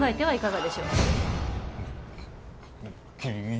はい